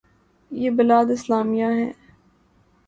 یہ بلاد اسلامیہ ہیں۔